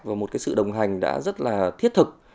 và một cái sự đồng hành đã rất là thiết thực